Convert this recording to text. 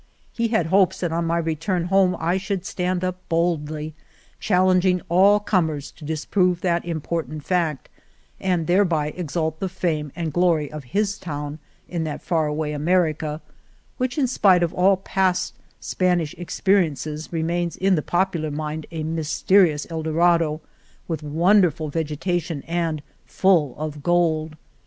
He had hopes that on my re turn home I should stand up boldly, chal lenging all comers to disprove that impor tant fact, and thereby exalt the fame and glory of his town in that far away America, which, in spite of all past Spanish experi ences, remains in the popular mind a mys terious El Dorado with wonderful vegetation and full of gold.